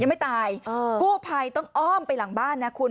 ไม่ตายกู้ภัยต้องอ้อมไปหลังบ้านนะคุณ